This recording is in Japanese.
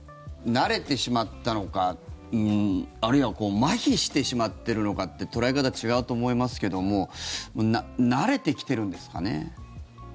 慣れてしまったのかあるいはまひしてしまっているのかって捉え方、違うと思いますけれども慣れてきているんですかね。